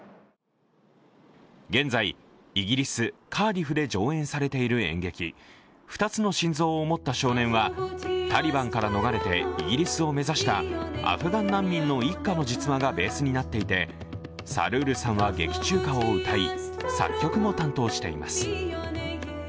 現在、イギリス・カーディフで上演されている演劇、「二つの心臓を持った少年」はタリバンから逃れてイギリスを目指したアフガン難民の一家の実話がベースとなっていてサルールさんは劇中歌を歌い、作曲も担当しています。